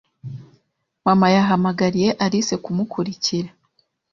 Mama yahamagariye Alice kumukurikira.